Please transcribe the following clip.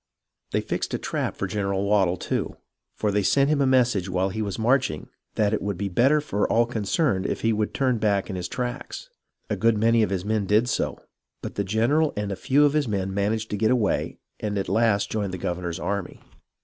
They fixed a trap for General Waddel, too ; for they sent him a message while he was marching, that it would be better for all concerned if he would turn back in his tracks. A good many of his men did so, but the general and a few of his men managed to get away and at last joined the governor's army.